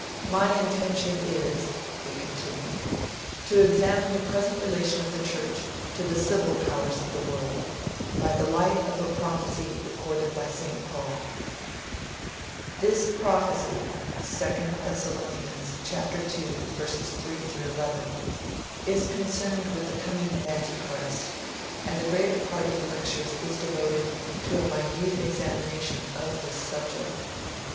'My intention is,' he continued, 'to examine the present relation of the Church to the civil powers of the world by the light of a prophecy recorded by St Paul.' This prophecy (2 Thess. ii 3 to 11) is concerned with the coming of the Antichrist, and the greater part of the lectures is devoted to a minute examination of this subject.